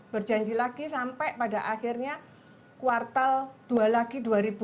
berjanji lagi sampai pada akhirnya kuartal dua lagi dua ribu dua puluh